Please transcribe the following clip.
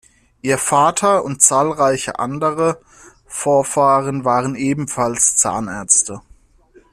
Ihr Vater und zahlreiche andere Vorfahren waren ebenfalls Zahnärzte.